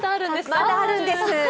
まだあるんです。